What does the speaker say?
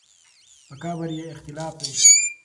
په قبر یې اختلاف دی.